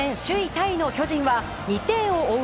タイの巨人は２点を追う